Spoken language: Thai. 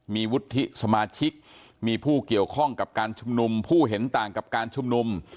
มีวุฒิสมาชิกมีผู้เกี่ยวข้องกับการชุมนุมผู้เห็นต่างกับการชุมนุม